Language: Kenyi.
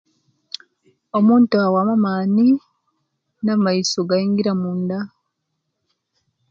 Omuntu awamu amani namaiso gayingira munda